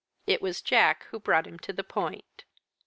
It was Jack who brought him to the point.